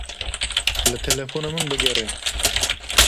Li telefona min bigere.